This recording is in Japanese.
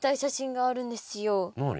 何？